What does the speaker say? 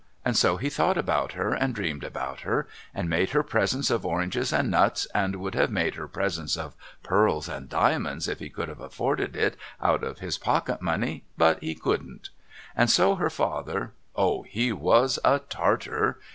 And so he thought about her, and dreamed about her, and made her presents of oranges and nuts, and would have made her presents of pearls and diamonds if he could have afforded it out of his pocket money, but he couldn't. And so her father — O, he was a Tartar